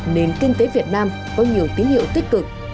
nền kinh tế việt nam có nhiều tín hiệu tích cực